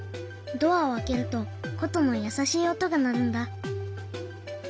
ドアを開けるとことの優しい音が鳴るんだ。